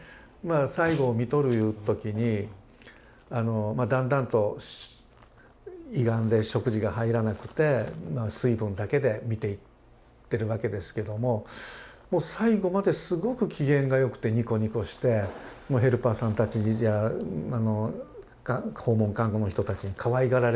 看取るいう時にまあだんだんと胃がんで食事が入らなくて水分だけで見ていってるわけですけども最期まですごく機嫌がよくてニコニコしてヘルパーさんたちや訪問看護の人たちにかわいがられる存在。